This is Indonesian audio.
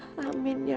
lah yang kupunya